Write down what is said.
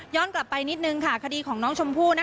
กลับไปนิดนึงค่ะคดีของน้องชมพู่